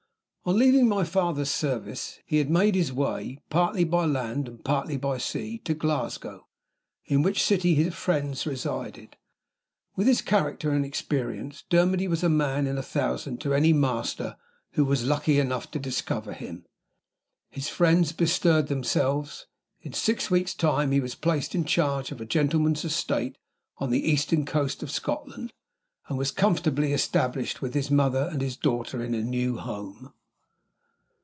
On leaving my father's service, he had made his way, partly by land and partly by sea, to Glasgow in which city his friends resided. With his character and his experience, Dermody was a man in a thousand to any master who was lucky enough to discover him. His friends bestirred themselves. In six weeks' time he was placed in charge of a gentleman's estate on the eastern coast of Scotland, and was comfortably established with his mother and his daughter in a new home.